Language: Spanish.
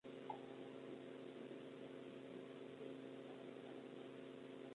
En la plantilla sufrió varios cambios.